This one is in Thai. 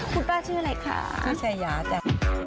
คุณป้าชื่ออะไรคะชื่อชายาจ้ะ